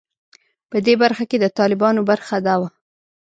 په دې برخه کې د طالبانو برخه دا وه.